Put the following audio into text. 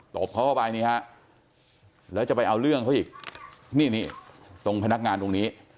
บเขาเข้าไปนี่ฮะแล้วจะไปเอาเรื่องเขาอีกนี่นี่ตรงพนักงานตรงนี้